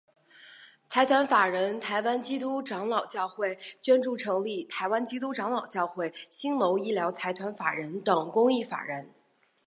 财团法人台湾基督长老教会捐助成立台湾基督长老教会新楼医疗财团法人等公益法人。